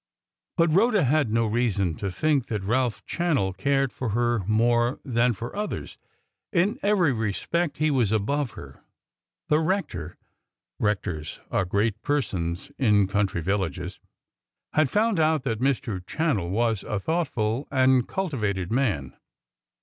But Rhoda had no reason to think that Ralph Channell cared for her more than for others. In every respect he was above her. The rector (rectors are great persons in country villages) had found out that Mr. Channell was a thoughtful and cultivated man.